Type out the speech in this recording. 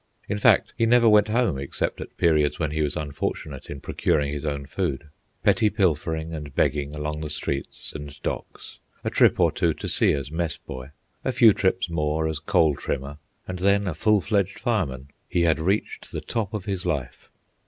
In fact, he never went home except at periods when he was unfortunate in procuring his own food. Petty pilfering and begging along the streets and docks, a trip or two to sea as mess boy, a few trips more as coal trimmer, and then a full fledged fireman, he had reached the top of his life.